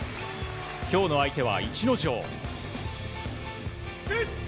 今日の相手は逸ノ城。